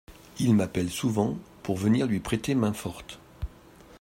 Il m’appelle souvent pour venir lui prêter main forte.